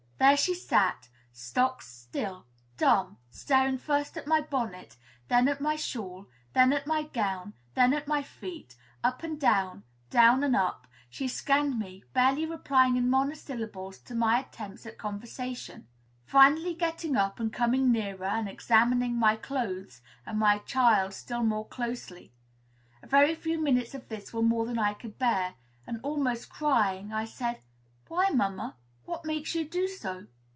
There she sat, stock still, dumb, staring first at my bonnet, then at my shawl, then at my gown, then at my feet; up and down, down and up, she scanned me, barely replying in monosyllables to my attempts at conversation; finally getting up, and coming nearer, and examining my clothes, and my child's still more closely. A very few minutes of this were more than I could bear; and, almost crying, I said, "Why, mamma, what makes you do so?"